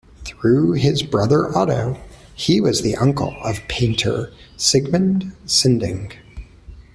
Through his brother Otto he was the uncle of painter Sigmund Sinding.